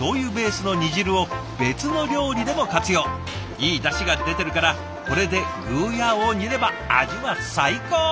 いいだしが出てるからこれでグーヤーを煮れば味は最高！